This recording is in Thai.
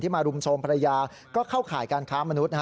ที่มาลุมทรงภรรยาก็เข้าขายการค้ามมนุษย์